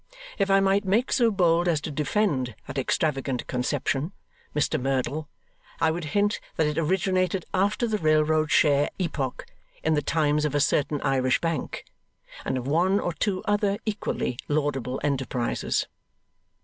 If I might make so bold as to defend that extravagant conception, Mr Merdle, I would hint that it originated after the Railroad share epoch, in the times of a certain Irish bank, and of one or two other equally laudable enterprises.